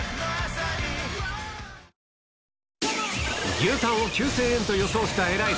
牛タンを９０００円と予想したエライザ。